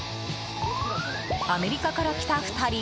アメリカから来た２人。